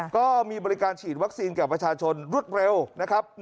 ก็มีบริการฉีดวัคซีนกับประชาชนรวดเร็วนะครับ